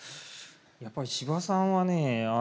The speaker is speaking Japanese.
やっぱり司馬さんはね